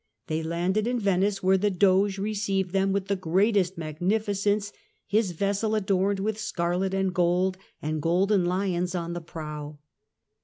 They landed in Venice where the Doge received them with the greatest magnificence, his vessel adorned with scarlet and gold and golden lions on the prow.